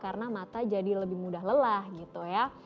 karena mata jadi lebih mudah lelah gitu ya